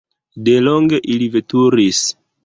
Delonge ili veturis.